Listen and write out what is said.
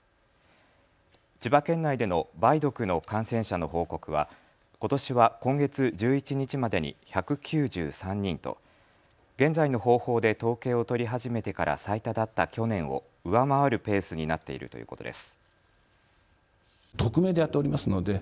千葉県内での梅毒の感染者の報告は、ことしは今月１１日までに１９３人と現在の方法で統計を取り始めてから最多だった去年を上回るペースになっているということです。